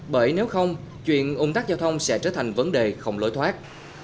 bởi nếu không chuyện ủng tắc giao thông sẽ trở thành vấn đề không lối thoát